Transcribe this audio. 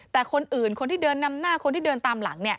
แต่คนอื่นคนที่เดินนำหน้าคนที่เดินตามหลัง